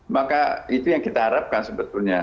maka itu yang kita harapkan sebetulnya